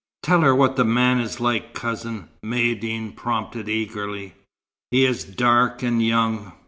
"Tell her what the man is like, cousin," Maïeddine prompted, eagerly. "He is dark, and young.